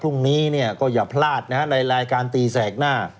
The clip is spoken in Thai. พรุ่งนี้ก็อย่าพลาดในรายการตีแสกหน้า